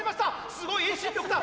すごい遠心力だ！